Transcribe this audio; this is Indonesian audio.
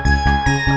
mak mau beli es krim